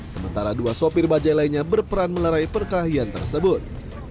sementara dua sopir bajai lainnya berperan melarai perkelahian tersebut